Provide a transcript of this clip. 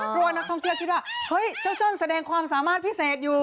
เพราะว่านักท่องเที่ยวคิดว่าเฮ้ยเจ้าจ้อนแสดงความสามารถพิเศษอยู่